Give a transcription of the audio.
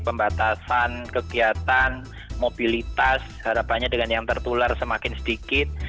pembatasan kegiatan mobilitas harapannya dengan yang tertular semakin sedikit